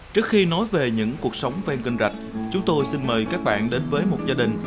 trước khi nói về những cuộc sống ven kênh rạch chúng tôi xin mời các bạn đến với một gia đình